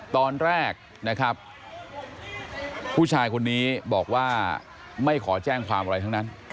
ตอนแรกนะครับผู้ชายคนนี้บอกว่าไม่ขอแจ้งความอะไรทั้งนั้น